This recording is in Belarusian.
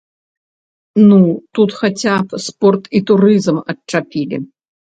Ну, тут хаця б спорт і турызм адчапілі.